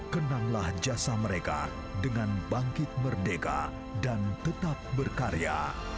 kenanglah jasa mereka dengan bangkit merdeka dan tetap berkarya